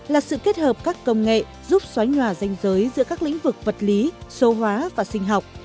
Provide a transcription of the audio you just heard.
là sự kết hợp các công nghệ giúp xóa nhòa danh giới giữa các lĩnh vực vật lý số hóa và sinh học